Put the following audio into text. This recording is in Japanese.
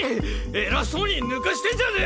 偉そうに抜かしてんじゃね！！